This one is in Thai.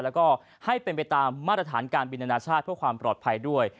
แล้วก็ให้เป็นไปตามมาตรฐานการบินอนาชาติเพื่อความปลอดภัยด้วย